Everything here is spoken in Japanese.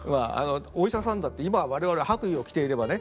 お医者さんだって今我々は白衣を着ていればね